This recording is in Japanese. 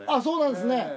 そうなんですね！